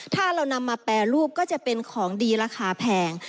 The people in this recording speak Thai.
ถ้าเรานำมาแปรรูปก็จะเป็นของดีราคาแพง